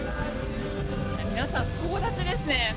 皆さん、総立ちですね。